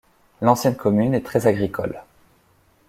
L'ancienne commune est très agricole.